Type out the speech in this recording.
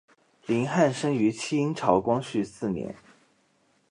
林翰生于清朝光绪四年。